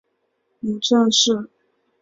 母郑氏。